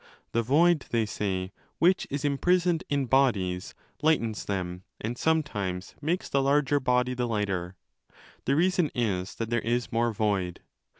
The void, they say, which is imprisoned in bodies, lightens them and sometimes makes the larger body the lighter. The reason is that there is more void.